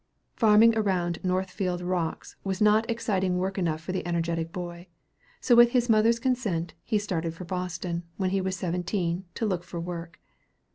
Farming among Northfield rocks was not exciting work enough for the energetic boy; so with his mother's consent, he started for Boston, when he was seventeen, to look for work.